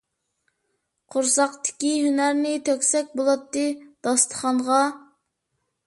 قورساقتىكى ھۈنەرنى تۆكسەك بولاتتى داستىخانغا.